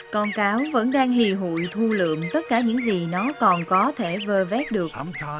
con cáo vẫn đang hì hụi thu lượm tất cả những gì nó còn có thể vơ vét được